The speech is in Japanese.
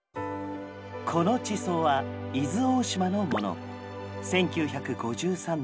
この地層は伊豆大島のもの。